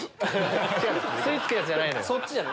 吸い付くやつじゃないのよ。